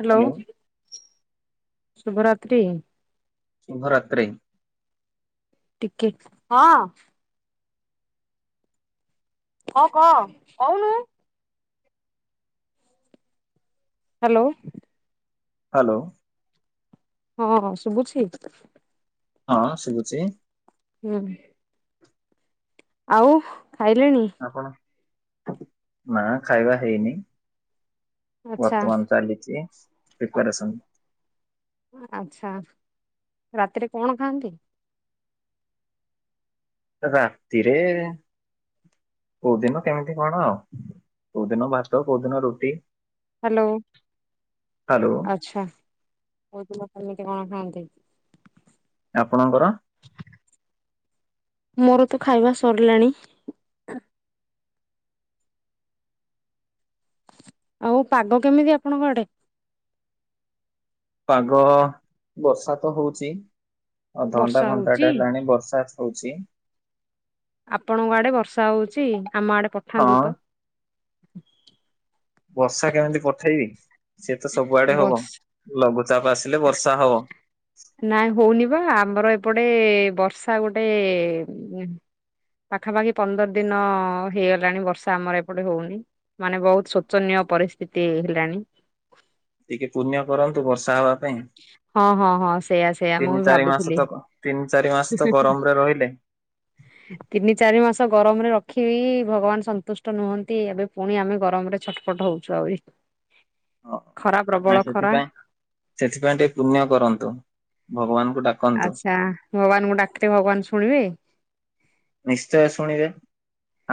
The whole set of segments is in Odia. ହାଲୋ ହ୍ୟାଲୋ ଶୁଭରାତ୍ରି। ଶୁଭରାତ୍ରି। ଟିକେ ହଁ। ହଁ କହ କହୁନୁ। ହାଲୋ। ହାଲୋ। ହଁ ହଁ ଶୁଭୁଛି। ହଁ ଶୁଭୁଚି। ହୁଁ। ଆଉ ଖାଇଲେଣି। ଆଉ କଣ ନା ଖାଇବା ହେଇନି। ଆଚ୍ଛା ବର୍ତ୍ତମାନ ଚାଲିଚି ପ୍ରିପାରେସନ। ଆଚ୍ଛା ରାତିରେ କଣ ଖାଆନ୍ତି? ରାତିରେ କୋଉଦିନ କେମିତି କଣ ଆଉ କୋଉଦିନ ଭାତ କୋଉଦିନ ରୁଟି। ହାଲୋ ହ୍ୟାଲୋ ଆଚ୍ଛା କୋଉଦିନ କେମିତି କଣ ଖାଆନ୍ତି? ଆପଣଙ୍କର। ମୋରତ ଖାଇବା ସରିଲାଣି। ଆଉ ପାଗ କେମିତି ଆପଣଙ୍କ ଆଡେ ପାଗ ବର୍ଷାତ ହଉଚି। ଅଧ ଘଣ୍ଟା ବର୍ଷା ହଉଛି? ଘଣ୍ଟାଟେ ହେଲାଣି ବର୍ଷା ହଉଛି। ଆପଣଙ୍କ ଆଡେ ବର୍ଷା ହଉଛି ଆମ ଆଡେ ହଁ ପଠାନ୍ତୁତ। ବର୍ଷା କେମିତି ପଠେଇବି ସେତ ସବୁଆଡେ ହବ ବର୍ଷା ଲଘୁଚାପ ଆସିଲେ ବର୍ଷାହବ। ନାଇଁ ହଉନିବା ଆମର ଏପଟେ ବର୍ଷା ଗୋଟେ ପାଖାପାଖି ପନ୍ଦରଦିନ ହେଇଗଲାଣି ବର୍ଷା ଆମର ଏପଟେ ହଉନି। ମାନେ ବହୁତ ଶୋଚନୀୟ ପରିସ୍ଥିତି ହେଲାଣି। ଟିକିଏ ପୁଣ୍ୟ କରନ୍ତୁ ବର୍ଷା ହବାପାଇଁ। ହଁ ହଁ ହଁ ସେଇଆ ସେଇଆ ମୁଁ ତିନି ବି ଚାରି ଭାବୁଥିଲି। ମାସତ ତିନି ଚାରି ମାସତ ଗରମରେ ରହିଲେ। [inaudible] ତିନି ଚାରି ମାସ ଗରମରେ ରଖି ଭଗବାନ ସନ୍ତୁଷ୍ଟ ନୁହନ୍ତି ଏବେ ପୁଣି ଆମେ ଗରମରେ ଛଟ ପଟ ହଉଛୁ ଆହୁରି। ହ ଖରା ନାଇ ପ୍ରବଳ ଖରା ସେଥିପାଇଁ ସେଥିପାଇଁ ଟିକେ ପୁଣ୍ୟ କରନ୍ତୁ ଭଗବାନଙ୍କୁ ଡାକ ଆଚ୍ଛା ଭଗବାନଙ୍କୁ ଡାକିଲେ ଭଗବାନ ଶୁଣିବେ? ନିଶ୍ଚୟ ଶୁଣିବେ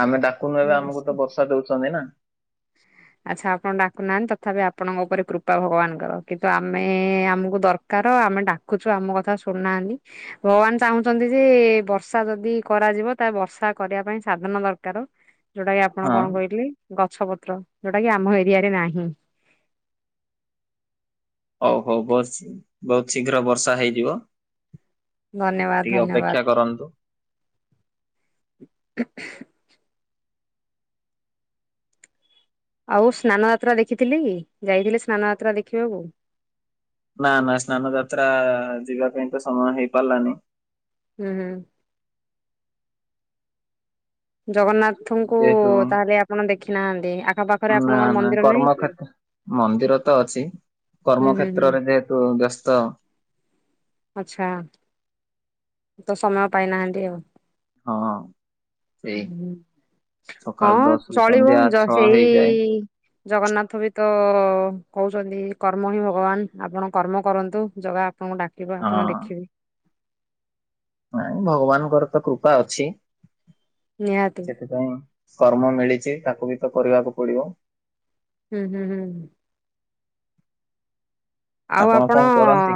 ଆମେ ଡାକୁନୁ ଏବେ ଆମକୁ ତ ବର୍ଷା ଦଉଛନ୍ତି ନା। [inaudible] ଆଚ୍ଛା ଆପଣ ଡାକୁନାହାନ୍ତି ତଥାପି ଆପଣଙ୍କ ଉପରେ କୃପା ଭଗବାନଙ୍କର କିନ୍ତୁ ଆମେ ଆମକୁ ଦର କାର ଆମେ ଡାକୁଛୁ ଆମ କଥା ଶୁନାହାନ୍ତି। ଭଗବାନ ଚାହୁଁଛନ୍ତି ଯେ ବର୍ଷା ଯଦି କରାଯିବ ତାହେଲେ ବର୍ଷା କରିବା ପାଇଁ ସାଧନ ଦରକାର। ଯୋଉଟା କି ଆପଣ ହଁ କଣ କହିଥିଲେ ଗଛ ପତ୍ର, ଯୋଉଟା କି ଆମ ଏରିଆରେ ନାହିଁ। ହଉ ହଉ ବସ, ବହୁତ ଶୀଘ୍ର ବର୍ଷା ହେଇଯିବ। ଧନ୍ୟବାଦ ଟିକେ ଧନ୍ୟବାଦ ଅପେକ୍ଷା କରନ୍ତୁ। [unintelligible] ଆଉ ସ୍ନାନ ଯାତ୍ରା ଦେଖିଥିଲି, ଯାଇଥିଲେ ସ୍ନାନ ଯାତ୍ରା ଦେଖିବାକୁ? ନା ନା ସ୍ନାନ ଯାତ୍ରା ଯିବା ପାଇଁ ତ ସମୟ ହେଇପାରିଲାନି। ହୁଁ। ଜଗନ୍ନାଥଙ୍କୁ ଯେହେତୁ ତାହେଲେ ଆପଣ ଦେଖି ନାହାନ୍ତି ଆଖପାଖରେ ନା ଆପଣଙ୍କର ନା ମନ୍ଦିର ନାହିଁ କି? କର୍ମକ୍ଷେତ୍ର ମନ୍ଦିର ତ ଅଛି, ହୁଁ ହୁଁ ହୁଁ କର୍ମକ୍ଷେତ୍ରରେ ଯେହେତୁ ବ୍ୟସ୍ତ। ଆଚ୍ଛା। ତ ସମୟ ପାଇନାହାନ୍ତି ଆଉ। ହଁ ସେଇ। ହୁଁ ହଁ ସକାଳ ଦଶ ରୁ ଚଳିବ ସନ୍ଧ୍ୟା ଛଅ ହେଇଯାଏ [unintelligible] ଜଗନ୍ନାଥ ବି ତ କହୁଛନ୍ତି କର୍ମ ହିଁ ଭଗବାନ ଆପଣ କର୍ମ କରନ୍ତୁ। ଜଗା ଆପଣଙ୍କୁ ଡାକିବ ଆପଣ ହଁ ଦେଖିବେ। ନାଇଁ ଭଗବାନଙ୍କର ତ କୃପା ଅଛି ନିହାତି ସେଥିପାଇଁ। କର୍ମ ମିଳିଛି ତାକୁ ବି ତ କରିବାକୁ ପଡିବ। ହୁଁ ହୁଁ ହୁଁ। ଆଉ ଆପଣ କଣ କରନ୍ତି?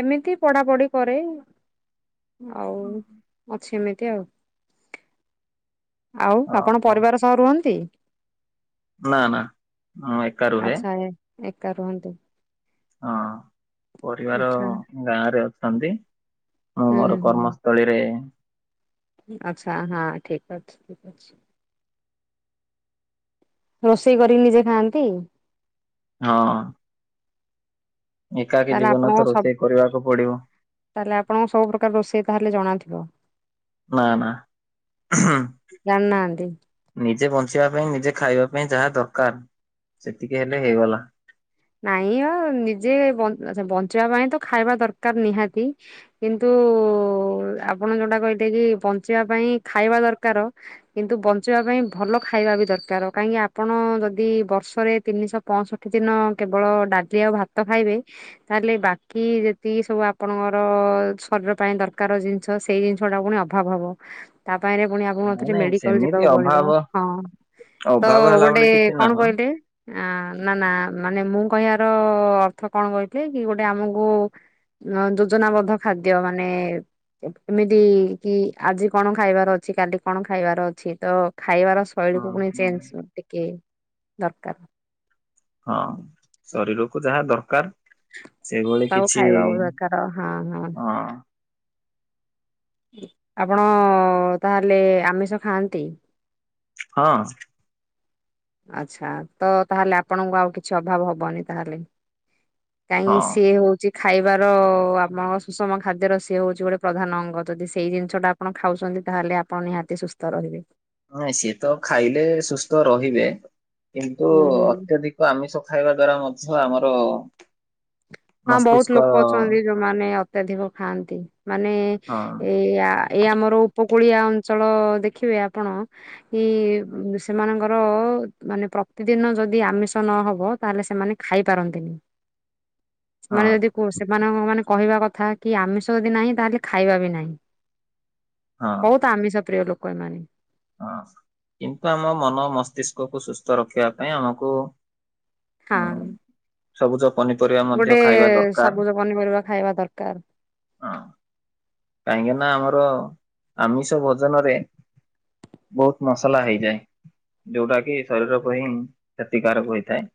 ଏମିତି ପଢାପଢି କରେ, ଆଉ ଅଛି ଏମିତି ଆଉ। ଆଉ ଆପଣ ଓହୋ ପରିବାର ସହ ରୁହନ୍ତି? ନା ନା ମୁଁ ଏକା ରୁହେ। ଆଚ୍ଛା ଏ ଏକା ରୁହନ୍ତି। ହଁ ପରିବାର ଆଚ୍ଛା ଗାଁରେ ଅଛନ୍ତି ମୁଁ ହୁଁ ହୁଁ ମୋର କର୍ମ ହୁଁ ସ୍ଥଳୀରେ। ଆଚ୍ଛା ହଁ ଠିକ ଅଛି। ରୋଷେଇ କରି ନିଜେ ଖାଆନ୍ତି? ହଁ। ଏକାକୀ ତାହେଲେ ଜୀବନ ଆପଣଙ୍କ ତ ସବୁ ରୋଷେଇ କରିବାକୁ ପଡିବ। ତାହେଲେ ଆପଣଙ୍କ ସବୁ ପ୍ରକାର ରୋଷେଇ ତାହେଲେ ଜଣା ଥିବ? ନା ନା। [unintelligible] ଜାଣିନାହାନ୍ତି ନିଜେ ବଞ୍ଚିବା ପାଇଁ ନିଜେ ଖାଇବା ପାଇଁ ଯାହା ଦରକାର ସେତିକି ହେଲେ ହେଇଗଲା। ନାଇଁ ଆ ନିଜେ ବନ୍ ଆଛା ବଞ୍ଚିବା ପାଇଁ ତ ଖାଇବା ଦରକାର ନିହାତି। କିନ୍ତୁ ଆପଣ ଯୋଉଟା କହି [unintelligible] କି ବଞ୍ଚିବା ପାଇଁ ଖାଇବା ଦରକାର। କିନ୍ତୁ ବଞ୍ଚିବା ପାଇଁ ଭଲ ଖାଇବା ବି ଦରକାର, କାହିଁକି ଆପଣ ଯଦି ବର୍ଷରେ ତିନିଶହ ପଞ୍ଚଷଠି ଦିନ କେବଳ ଡାଲି ଆଉ ଭାତ ଖାଇବେ। ତାହେଲେ ବାକି ଯେତିକି ସବୁ ଆପଣଙ୍କର ଶରୀର ପାଇଁ ଦରକାର ହୋଉଚି। ତ ସେଇ ଜିନିଷଟା ପୁଣି ଅଭାବ ହବ। ତା ପାଇଁରେ- ପୁଣି ନାଇଁ ଆପଣଙ୍କୁଥରେ ନାଇଁ ମେଡିକାଲ ସେମିତି ଯିବାକୁ ପଡିବ। ଅଭାବ ହଁ ତ ଅଭାବ ହେଲା ଗୋଟେ ଭଳି କିଛି କଣ ନାହିଁ କହିଲେ। ଆ ନା ନା ମାନେ ମୁଁ କହିବାର ଅର୍ଥ କଣ କହିଥିଲ କି ଗୋଟେ ଆମକୁ ନ ଯୋଜନା ବଦ୍ଧ ଖାଦ୍ୟ ମାନେ- ଏମିତି କି ଆଜି କଣ ଖାଇବାର ଅଛି। କାଲି କଣ ଖାଇବାର ଅଛି। ତ ଖାଇବାର ହଁ ଶୈଳୀକୁ ପୁଣି ଚେଞ୍ଜ୍ ଟିକିଏ ଦରକାର। ହଁ ଶରୀରକୁ ଯାହା ଦରକାର। ସେଭଳି ତାକୁ କିଛି ଖାଇବାକୁ ଦରକାର ହଁ ହଁ। ଆପଣ ତାହେଲେ ଆମିଷ ଖାଆନ୍ତି? ହଁ। ଆଚ୍ଛା ତ ତାହେଲେ ଆପଣଙ୍କୁ ଆଉ କିଛି ଅଭାବ ହବନି ତାହେଲେ। କାଇଁ ହଁ ସି ହୋ ଚି ଖାଇବାର ଆମ ସୁଷମ ଖାଦ୍ୟର ସିଏ ହୋଉଛି ଗୋଟେ ପ୍ରଧାନ ଅଙ୍ଗ। ଯଦି ସେଇ ଜିନିଷଟା ଆପଣ ଖାଉଚନ୍ତି, ତାହେଲେ ଆପଣ ନିହାତି ସୁସ୍ଥ ରହିବେ। ନାଇଁ ସିଏ ତ ଖାଇଲେ ସୁସ୍ଥ ରହିବେ। କିନ୍ତୁ ହୁଁ ହୁଁ। ଅତ୍ୟଧିକ ତ ଆମିଷ ଖାଇବା ଦ୍ଵାରା ମଧ୍ୟ ଆମର ହଁ ବହୁତ୍ ମସ୍ତିଷ୍କ ଲୋକ ଅଛନ୍ତି। ଯୋଉମାନେ ଅତ୍ୟଧିକ ଖାଆନ୍ତି। ମାନେ ହଁ ଏଇଆ ଏଇ ଆମର ଉପକୂଳିଆ ଅଞ୍ଚଳ ଦେଖିବେ ଆପଣ କି ହଁ ସେମାନଙ୍କର ର ମାନେ ପ୍ରତିଦିନ ଯଦି ଆମିଷ ନହବ ତାହେଲେ ସେମାନେ ଖାଇ ପାରନ୍ତିନି। ହଁ ସେମାନେ ଯଦି କ ସେମାନଙ୍କ ମାନେ କହିବା କଥା କି ଆମିଷ ଯଦି ନାହିଁ ତାହେଲେ ଖାଇବା ବି ନାହିଁ। ହଁ। ତ ଆମିଷ ପ୍ରିୟ ଲୋକ ଏମାନେ। ହଁ। କିନ୍ତୁ ଆମ ମନ ମସ୍ତିଷ୍କକୁ ସୁସ୍ଥ ରଖିବା ପାଇଁ ଆମକୁ ଉଁ, ଖାନ। ସବୁଜ ପନିପରିବା ମଧ୍ୟ ଖାଇବା ଦରକାର। ସବୁଜ ପନିପରିବା ଖାଇବା ଦରକାର। ହଁ। କାହିଁକିନା ଆମର ଆମିଷ ଭୋଜନରେ ବହୁତ୍ ମସଲା ହେଇଯାଏ। ଯୋଉଟା କି ଶରୀରକୁ ହିଁ କ୍ଷତିକାରକ ହୋଇଥାଏ।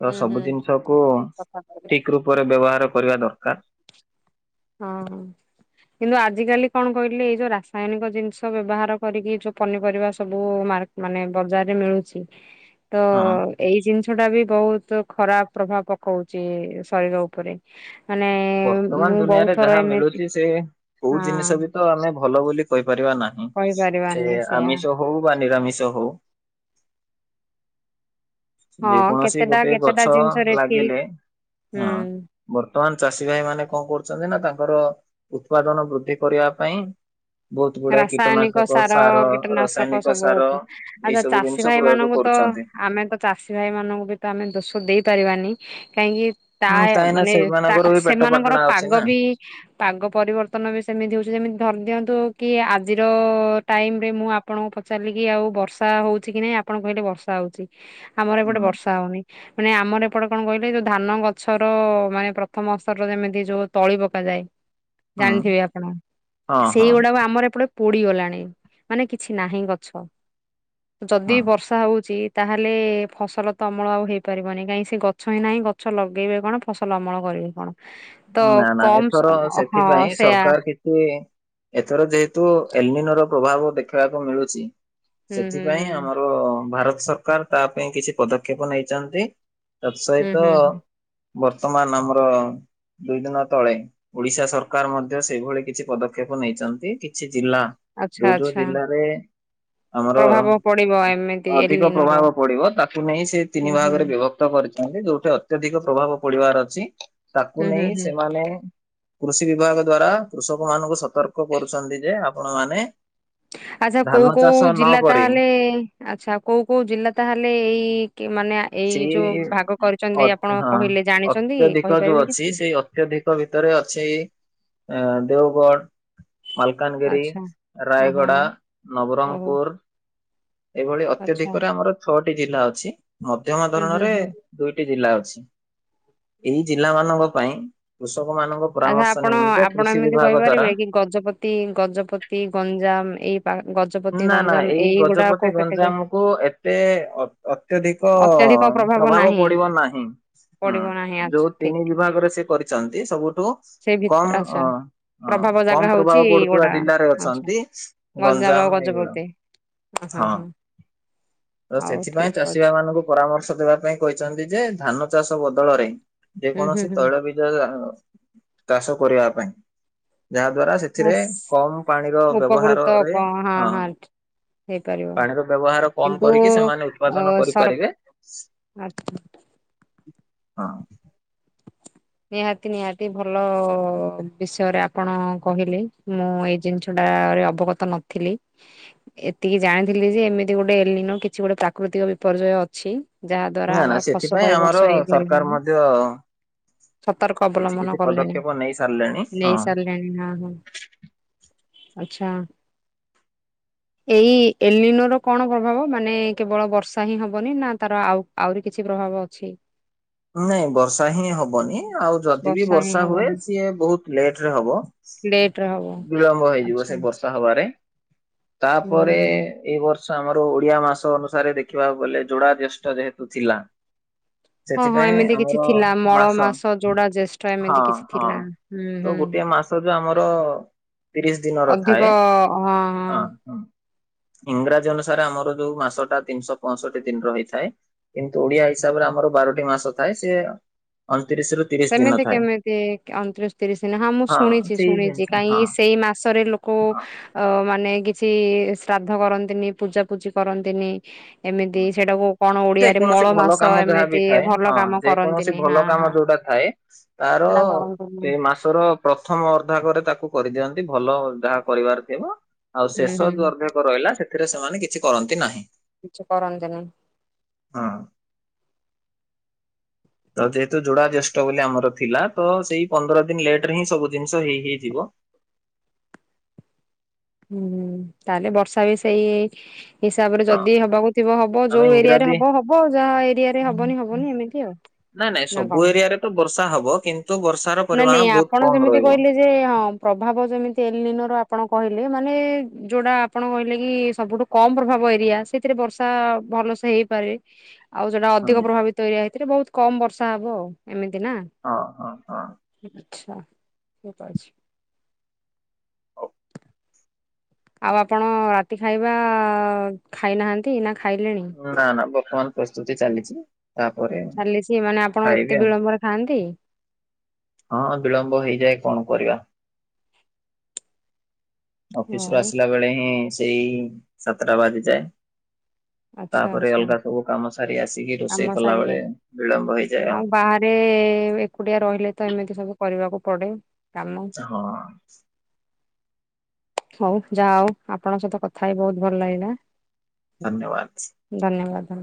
ତ ହୁଁ ହୁଁ। ସବୁ ଜିନିଷ କୁ କଥା କହିଲେ ଠିକ୍ ରୂପରେ ବ୍ୟବହାର କରିବା ଦରକାର। ହଁ। କିନ୍ତୁ ଆଜିକାଲି କଣ କହିଲେ, ଏଇ ଯୋଉ ରାସାୟନିକ ଜିନିଷ ବ୍ୟବହାର କରିକି ଯୋଉ ପନିପରିବା ସବୁ ମାର ମାନେ ବଜାରରେ ମିଳୁଚି। [inaudible] ତ ଏଇ ଜିନିଷ ଟା ବି ବହୁତ୍ ଖରାପ ପ୍ରଭାବ ପକୋଉଚି ଏ ଶରୀର ଉପରେ। ମାନେ ବର୍ତ୍ତମାନ ମୁଁ ବହୁ ଦୁନିଆରେ ଯାହା ମିଳୁଚି ସେ, କୋଉ ଜିନିଷ ବି ତ ଆମେ ଭଲ ବୋଲି କହିପାରିବା ନାହିଁ। ହୁଁ ସେ କହିପାରିବାନି ସେୟା। ଆମିଷ ହୋଉ ବା ନିରାମିଷ ହୋଉ। ଯେ ହଁ କୌଣସି କେତେଟା ଗୋଟେ କେତେଟା ଗଛ ଜିନିଷରେ ଠିକ୍ ଲାଗିଲେ- ହଁ। ହୁଁ। ବର୍ତ୍ତମାନ ଚାଷୀ ଭାଇ ମାନେ କଣ କରୁଛନ୍ତି ନା, ତାଙ୍କର ଉତ୍ପାଦନ ବୃଦ୍ଧି କରିବା ପାଇଁ ବହୁତ ଗୁଡାଏ ରାସାୟନିକ କୀଟନାଶକ ସାର କୀଟନାଶକ ରାସାୟନିକ ସବୁ। ସାର ଏଇ ଆଛା ସବୁ ଜିନିଷ ଚାଷୀ ଭାଇ ପ୍ରୟୋଗ ମାନଙ୍କୁ ତ କରୁଛନ୍ତି। ଆମେ ତ ଚାଷୀ ଭାଇ ମାନଙ୍କୁ ବି ତ ଆମେ ଦୋଷ ଦେଇ ପାରିବାନି। କାହିଁକି ତା ହୁଁ କାହିଁକି ନା ମାନେ ତା ସେମାନଙ୍କର ବି ପେଟ ପାଟଣା ସେମାନଙ୍କର ଅଛି ନା। ପାଗ ବି ପାଗ ପରିବର୍ତ୍ତନ ବି ସେମିତି ହୋଉଚି ଯେମିତି ଧରିଦିଅନ୍ତୁ କି ଆଜିର ଟାଇମ୍ ରେ ମୁଁ ଆପଣଙ୍କୁ ପଚାରିଲି କି ଆଉ ବର୍ଷା ହେଉଛି କି ନାହିଁ? ଆ ଆପଣ କହିଲେ ବର୍ଷା ହଉଛି, ଆମର ଏପଟେ ହୁଁ ବର୍ଷା ହଉନି। ମାନେ ଆମର ଏପଟେ କଣ କହିଲେ, ଯୋଉ ଧାନ ଗଛର ମାନେ ପ୍ରଥମ ସ୍ତରର ଯେମିତି ଯୋଉ ତଳି ପକାଯାଏ। [inaudible] ଜାଣିଥିବେ ଆପଣ ହଁ ଆ ହଁ। ସେଇଗୁଡା ବା ଆମର ଏପଟେ ପୋଡି ଗଲାଣି ମାନେ କିଛି ନାହିଁ ଗଛ, ହଁ ଯଦି ବର୍ଷ ବର୍ଷା ହଉଛି, ତାହେଲେ ଫସଲ ତ ଅମଳ ଆଉ ହେଇପାରିବନି, କାହିଁ ସେ ଗଛ ହିଁ ନାହିଁ ଗ ଗଛ ଲଗେଇବେ କଣ, ଫସଲ ଅମଳ କରିବେ କଣ? ତ ନା ନା କମ ସ ଏଥର ହଁ ସେଥିପାଇଁ ସେୟା ସରକାର କିଏ ଏଥର ଯେହେତୁ ଏଲନିନୋ ର ପ୍ରଭାବ ଦେଖିବାକୁ ମିଳୁଚି ହୁଁ ହୁଁ ହୁଁ ସେଥିପାଇଁ ଆମର ଭାରତ ସରକାର ତା ପାଇଁ କିଛି ପଦକ୍ଷେପ ନେଇଚନ୍ତି। ତା ହୁଁ ସହିତ ହୁଁ ହୁଁ ବର୍ତ୍ତମାନ ଆମର ଦୁଇ ଦିନ ତଳେ, ଓଡିଶା ସରକାର ମଧ୍ୟ ସେଇଭଳି କିଛି ପଦକ୍ଷେପ ନେଇଚନ୍ତି, କିଛି ଜିଲ୍ଲା ଆଚ୍ଛା ଯୋଉ ଯୋଉ ଆଚ୍ଛା ଜିଲ୍ଲାରେ ଆମର ପ୍ରଭାବ ପଡିବ ଏମିତି ଅଧିକ ଏଲିନୋ ର ପ୍ରଭାବ ପଡିବ, ତାକୁ ନେଇ ସେ ତିନି ହୁଁ ହୁଁ ଭାଗରେ ବିଭ କ୍ତ କରିଚନ୍ତି, ଯୋଉଠି ଅତ୍ୟଧିକ ପ୍ରଭାବ ପଡିବାର ଅଛି, ତାକୁ ହୁଁ ହୁଁ ନେଇ ହୁଁ ସେମାନେ କୃଷି ବିଭାଗ ଦ୍ଵାରା କୃଷକ ମାନଙ୍କୁ ସତର୍କ କରୁଛନ୍ତି, ଯେ ଆପଣ ମାନେ ଆଚ୍ଛା ଧାନ କୋଉ କୋଉ ଚାଷ ଜିଲ୍ଲା ନକରି ତାହେଲେ ଆଚ୍ଛା କୋଉ କୋଉ ଜିଲ୍ଲା ତାହେଲେ ଏଇ କି ମାନେ ଏଇ ସେଇ ଯୋଉ ଭାଗ ଅ କରିଚନ୍ତି, ଆପଣ ହଁ କହିଲେ ଜାଣିଚନ୍ତି ଅତ୍ୟଧିକ ଯୋଉ କହିପାରିବେ ଅଛି କିଛି ସେଇ ଅତ୍ୟଧିକ ଭିତରେ ଅଛି ଏଁ ଦେଓଗଡ଼। ମାଲକାନଗିରି, ଆଚ୍ଛା ଓହୋ ରାୟଗଡା, ହଉ ନବରଙ୍ଗପୁର। ଏଭଳି ଆଚ୍ଛା ଅତ୍ୟଧିକରେ ଆମର ଛଅଟି ଜିଲ୍ଲା ଅଛି, ମଧ୍ୟମ ହୁଁ ହୁଁ ଧରଣରେ ହୁଁ ଦୁଇଟି ଜିଲ୍ଲା ଅଛି, ଏଇ ଜିଲ୍ଲା ମାନଙ୍କ ପାଇଁ କୃଷକ ମାନଙ୍କ ଆଚ୍ଛା ପରାମର୍ଶ ଆପଣ ନିମନ୍ତେ ଆପଣ କୃଷି ଏମିତି ବିଭାଗ ଦ୍ଵାରା କହିପାରିବେ କି ଗଜପତି, ଗଜପତି, ଗଞ୍ଜାମ ଏଇ ପା ଗ ନା ନା ଏଇ ଗଜପତି ଗଞ୍ଜାମ କୁ ଏତେ ଅତ୍ ଅତ୍ୟଧିକ୍ କ ଅତ୍ୟଧିକ ପ୍ରଭାବ ନାହିଁ ପଡିବ ନାହିଁ, ହୁଁ ପଡିବ ନାହିଁ ଆଚ୍ଛା ଯୋଉ ଠିକ ତିନି ଠିକ ବିଭାଗରେ ସେ କରି ଚନ୍ତି ସବୁଠୁ ସେଇ କମ୍ ଭିତରେ ଅ ଆଚ୍ଛା ଅ ପ୍ରଭାବ ଜାଗା କମ୍ ହଉଛି ପ୍ରଭାବ ପଡୁଥିବା ଏଇଗୁଡା ଜିଲ୍ଲାରେ ଆଚ୍ଛା ଅଛନ୍ତି, ଆଉ ଗଞ୍ଜାମ ଏଗୁଡା ଗଜପତି ହଁ ତ ହଉ ସେଥିପାଇଁ ଠିକ ଚାଷୀ ବା ଅଛି ମାନଙ୍କୁ ପରାମର୍ଶ ଦେବା ପାଇଁ କହିଚନ୍ତି ଯେ ଧାନ ଚାଷ ବଦଳରେ ହୁଁ ହୁଁ ଯେକୌଣସି ହୁଁ ତୈଳ ବି ଜଜ ଚାଷ କରିବା ପାଇଁ ଯାହା ଦ୍ଵାରା ସେଥିରେ ଆସ କମ୍ ପାଣିର ଉପକୃତ ବ୍ୟବହାରରେ କଣ ହଁ ହଁ ହେଇପାରିବ ପାଣିର ବ୍ୟବହାର କମ କିନ୍ତୁ କରିକି ସେମାନେ ଅଁ ଉତ୍ପାଦନ ସର କରିପାରିବେ। ଆ ହଁ ନିହାତି ନିହାତି ଭଲ ବିଷୟରେ ଆପଣ କହିଲେ ମୁଁ ଏ ଜିନ ଷଟା ରେ ଅବଗତ ନଥିଲି। ଏତିକି ଜାଣିଥିଲି ଯେ ଏମିତି ଗୋଟେ ଏଲିନୋ କିଛି ଗୋଟେ ପ୍ରାକୃତିକ ବିପର୍ଯ୍ୟୟ ଅଛି। ଯାହା ଦ୍ଵାରା ଆମର ଫସବ ଏ ବର୍ଷ ହେଇପାରିବନି। ତିୟ ସତର୍କ ଅବଲମ୍ବନ କଲେଣି ନେଇ ସାରିଲେଣି ହଁ। ନେଇ ସାରିଲେଣି ନା କଣ। ଆଚ୍ଛା। ଏଇ ଏଲିନୋ ର କଣ ପ୍ରଭାବ ମାନେ କେବଳ ବର୍ଷା ହିଁ ହବନି ନା ତାର ଆଉ ଆଉରି କିଛି ପ୍ରଭାବ ଅଛି। ନାଇଁ ବର୍ଷା ହିଁ ହବନି ଆଉ ଯଦି ବିି ହିଁ ବର୍ଷା ହୁଏ ହବନି ସିଏ ବହୁତ ଲେଟ ରେ ହବ। ଲେଟ ରେ ହବ ବିଳମ୍ବ ହେଇଯିବ ଆଚ୍ଛା ସେ ବର୍ଷା ହବାରେ ହୁଁ ହୁଁ ତାପରେ ହୁଁ। ଏଇ ବର୍ଷ। ବର୍ଷ ଆମର ଓଡିଆ ମାସ ଅନୁସାରେ ଦେଖିବାକୁ ଗଲେ ଯୋଡା ଜେଷ୍ଠ ଯେହେତୁ ଥିଲା। ହଁ ହଁ ସେଥିପାଇଁ ଏମିତି କିଛି ଆମର ଥିଲା ମଳ ମାସ ଯୋଡା ଜ୍ୟେଷ୍ଠ ହଁ ଏମିତି କିଛି ହଁ। ଥିଲା ହୁଁ ତ ହୁଁ। ଗୋଟଏ ମାସ ଯ ଆମର ତିରିଶ ଦିନର ଅଧିକ ଥାଏ ହଁ ହଁ। ଇଂରାଜୀ ଅନୁସାରେ ଆମର ଯୋଉ ମାସଟା ତିନିଶହ ପଞ୍ଚଷଠି ଦିନ ରହିଥାଏ। କିନ୍ତୁ ଓଡିଆ ହିସାବରେ ଆମର ବାରଟି ମାସ ଥାଏ ସେ ଅନତିରିଶିରୁ ସେମିତି କେମିତି ଅଣତିରିଶ ତିରିଶିନ ହଁ ମୁଁ ଶୁଣିଛି ସେଇ ଜିନିଷ ଶୁଣିଛି ହଁ ସେଇ ମାସରେ ଲୋକ। [unintelligible] ଅ ମାନେ କିଛି ଶ୍ରାଦ୍ଧ କରନ୍ତିନି, ପୂଜା ପୂଜି କରନ୍ତିନି। ଏମିତି ସେଟାକୁ କଣ ଯେ ଓଡିଆରେ କୌଣସି ମଳ ଭଲ ମାସ କାମ ଯାହାବି ଏମିତି ଥାଏ ଭଲ ହଁ କାମ ଯେକୌଣସି କରନ୍ତିନି ଭଲ ହଁ କାମ ହଁ। ଯୋଉଟା ଥାଏ ତାର ସେଟା କରନ୍ତିନି ସେ ମାସ। ତର ପ୍ରଥମ ଅର୍ଦ୍ଧାକରେ ତାକୁ କରିଦିଅନ୍ତି ଭଲ ଯାହା କରିବାର ଥିବ। ଆଉ ହୁଁ ଶେଷ ଯୋଉ ହୁଁ। ଅର୍ଧେକ ରହିଲା ସେଥିରେ ସେମାନେ କିଛି କରନ୍ତି ନାହିଁ। କିଛି କରନ୍ତି। ହଁ। ତ ଯେହେତୁ ଯୋଡା ଜ୍ୟେଷ୍ଠ ବୋଲି ଆମର ଥିଲା ତ ସେଇ ପନ୍ଦର ଦିନ ଲେଟ ରେ ହିଁ ସବୁ ଜିନିଷ ହେଇ ହେଇଯିବ। ହୁଁ ତାହେଲେ ବର୍ଷା ବି ସେଇ ହିସାବ ରେ ହଁ ଯଦି ହବାକୁ ଥିବ ହବ ଆମେ ଯୋଉ ଏରିଆରେ ଇଂରାଜୀ ହବ ହବ ଯାହା ଏରିଆରେ ହବନି ହବନି ଏମିତି ଆଉ। ନାଇଁ ନାଇଁ ନା କଣ ସବୁ ଏରିଆରେ ତ ବର୍ଷା ହବ କିନ୍ତୁ ବର୍ଷାର ନା ନାଇଁ ପରିମାଣ ବହୁତ ଆପଣ କମ ଯେମିତି ରହିବ। କହିଲେ ଯେ ହଁ ପ୍ରଭାବ ଯେମିତି ଏଲିନର ଆପଣ କହିଲେ ମାନେ ଯୋଉଟା ଆପଣ କହିଲେ କି ସବୁଠୁ କମ ପ୍ରଭାବ ଏରିଆ ସେଥିରେ ବର୍ଷା ଭଲସେ ହେଇପାରେ।। ଆଉ ସେୋଟା ଅଧିକ ହଁ ପ୍ରଭାବିତ ତୋରିଆ ହେଇଥିଲେ ବହୁତ କମ ବର୍ଷା ହବ ଆଉ ଏମିତି ନା। ହଁ ହଁ ହଁ। ଆଛା ଠିକ ଅଛି। ଆଉ ଆପଣ ରାତି ଖାଇବା ଖାଇନାହାନ୍ତି ନା ଖାଇଲେଣି। ନା ନା ବର୍ତ୍ତମାନ ପ୍ରସ୍ତୁତି ଚାଲିଛି। ତାପରେ ଚାଲିଛି ମାନେ ଆପଣ ଖାଇବି ଏତେ ବିଳମ୍ବରେ ଖାଆନ୍ତି। ହଁ ବିଳମ୍ବ ହେଇଯାଏ କଣ କରିବା। ଅଫିସ ରୁ ହଉ ଆସିଲା ବେଳେ ହିଁ ସେଇ ସାତଟା ବାଜି ଯାଏ। ଆଚ୍ଛା ତାପରେ ଆଚ୍ଛା ଅଲଗା ସବୁ କାମ ସାରି ଆସିକି କାମ ରୋଷେଇ କଲା ବେଳେ ବିଳମ୍ବ ହେଇଯାଏ ଆଉ। ଏ ଏ ଏକୁଟିଆ ରହିଲେ ତ ଏମିତି ସବୁ କରିବାକୁ ପଡେ କାମ। ହଁ। ହଉ ଯା ଆଉ ଆପଣଙ୍କ ସହିତ କଥା ହ ବହୁତ ଭଲ ଲାଗିଲା। ଧନ୍ୟବାବାଚ। ଧନ୍ୟବାଦ।।